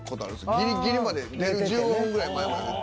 ギリギリまで出る１５分ぐらい前まで寝て。